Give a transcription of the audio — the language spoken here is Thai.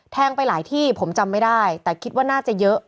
ไปหลายที่ผมจำไม่ได้แต่คิดว่าน่าจะเยอะ